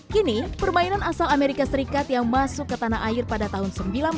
kini permainan asal amerika serikat yang masuk ke tanah air pada tahun seribu sembilan ratus enam puluh